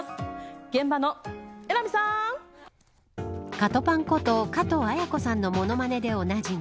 カトパンこと加藤綾子さんの物まねでおなじみ